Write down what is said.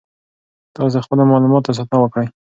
تاسو د خپلو معلوماتو ساتنه وکړئ.